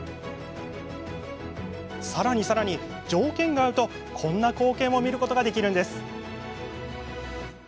さらに条件が合うとこんな光景も見ることできるんです。